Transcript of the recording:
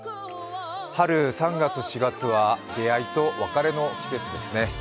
春、３月、４月は出会いと別れの季節ですね。